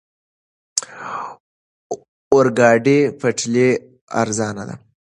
اورګاډي پټلۍ ارزانه ده.